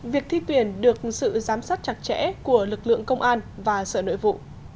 việc thi tuyển được sự giám sát chặt chẽ của lực lượng công an và sở nội vụ